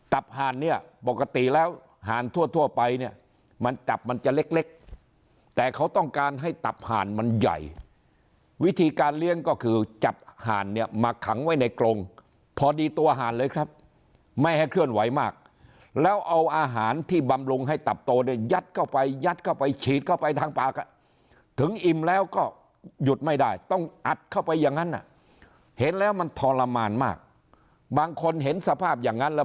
ห่านเนี่ยปกติแล้วห่านทั่วไปเนี่ยมันตับมันจะเล็กแต่เขาต้องการให้ตับห่านมันใหญ่วิธีการเลี้ยงก็คือจับห่านเนี่ยมาขังไว้ในกรงพอดีตัวห่านเลยครับไม่ให้เคลื่อนไหวมากแล้วเอาอาหารที่บำรุงให้ตับโตเนี่ยยัดเข้าไปยัดเข้าไปฉีดเข้าไปทางปากถึงอิ่มแล้วก็หยุดไม่ได้ต้องอัดเข้าไปอย่างนั้นเห็นแล้วมันทรมานมากบางคนเห็นสภาพอย่างนั้นแล้ว